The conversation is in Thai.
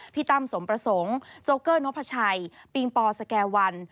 ตั้มสมประสงค์โจ๊เกอร์นพชัยปิงปอสแก่วัน